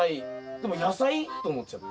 でも野菜？と思っちゃって。